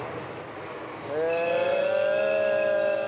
へえ。